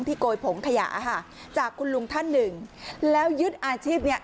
โกยผงขยะค่ะจากคุณลุงท่านหนึ่งแล้วยึดอาชีพเนี่ย